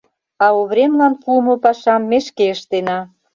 А Овремлан пуымо пашам ме шке ыштена.